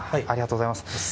ありがとうございます。